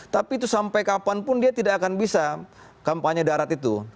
tapi itu sampai kapanpun dia tidak akan bisa kampanye darat itu